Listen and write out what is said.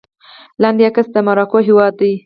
لاندې عکس کې د مراکو هېواد دی